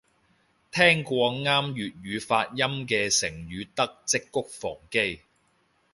聽過啱粵語發音嘅成語得織菊防基